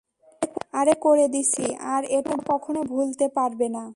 আরে করে দিছি, আর এটা কখনও ভুলতে পারবে না।